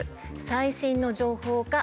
最新の情報か。